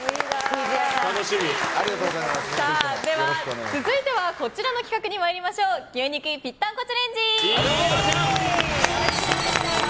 では、続いてはこちらの企画牛肉ぴったんこチャレンジ。